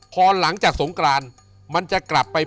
พอหลังจากสงกรานมันจะกลับไป